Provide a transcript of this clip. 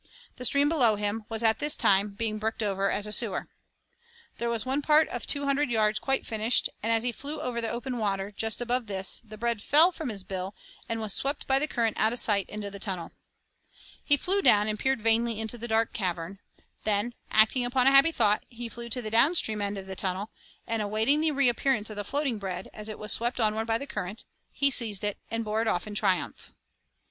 The stream below him was at this time being bricked over as a sewer. There was one part of two hundred yards quite finished, and, as he flew over the open water just above this, the bread fell from his bill, and was swept by the current out of sight into the tunnel. He flew down and peered vainly into the dark cavern, then, acting upon a happy thought, he flew to the downstream end of the tunnel, and awaiting the reappearance of the floating bread, as it was swept onward by the current, he seized and bore it off in triumph.